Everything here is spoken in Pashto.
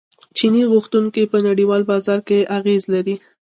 چیني غوښتنې په نړیوال بازار اغیز لري.